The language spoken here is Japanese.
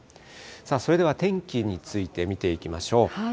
それでは天気について見ていきましょう。